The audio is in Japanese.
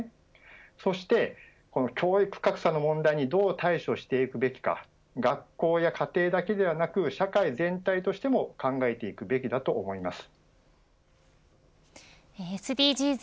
そして、この教育格差の問題にどう対処していくべきか学校や家庭だけではなく社会全体としても考えていくべきだと思います。